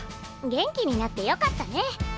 元気になってよかったね。